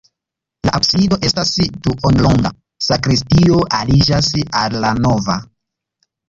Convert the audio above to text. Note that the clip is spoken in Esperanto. La absido estas duonronda, sakristio aliĝas al la navo.